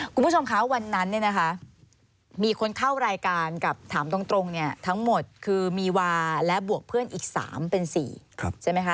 คุณผู้ชมคะวันนั้นเนี่ยนะคะมีคนเข้ารายการกับถามตรงเนี่ยทั้งหมดคือมีวาและบวกเพื่อนอีก๓เป็น๔ใช่ไหมคะ